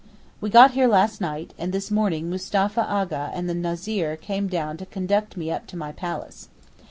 We got here last night, and this morning Mustapha A'gha and the Nazir came down to conduct me up to my palace.